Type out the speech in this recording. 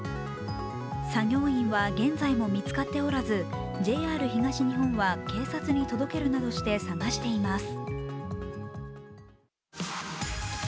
作業員は現在も見つかっておらずＪＲ東日本は警察に届けるなどして捜しています。